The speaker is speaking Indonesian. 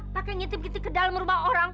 pakai ngitip ngitip ke dalam rumah orang